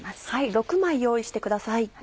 ６枚用意してください。